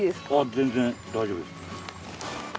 全然大丈夫です。